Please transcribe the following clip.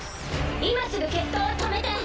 今すぐ決闘を止めて！